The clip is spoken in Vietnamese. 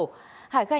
hải khai nhận